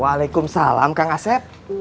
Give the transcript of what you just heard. waalaikumsalam kang aset